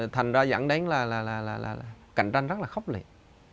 thành ra dẫn đến là là là là là là là là cạnh tranh rất là khốc liệt